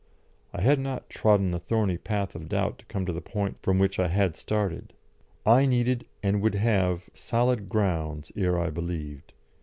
I had not trodden the thorny path of doubt to come to the point from which I had started; I needed, and would have, solid grounds ere I believed.